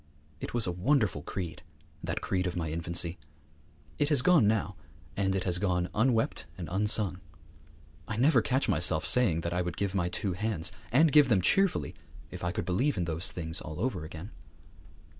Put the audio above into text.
It was a wonderful creed, that creed of my infancy. It has gone now, and it has gone unwept and unsung. I never catch myself saying that I would give my two hands, and give them cheerfully, if I could believe in those things all over again.